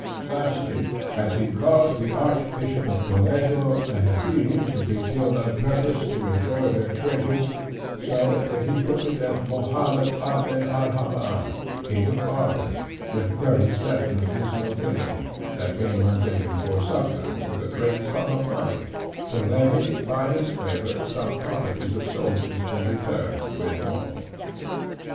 Lastly, as he caused the Archbishop of Toledo, and the Dean to be killed of purpose to enjoy their treasures; so did he put to death Mahomet Aben Alhamar, King of Barbary, with thirty seven of his nobility, that came unto him for succor, with a great sum of money, to levy (by his favor) some companies of soldiers to return withal.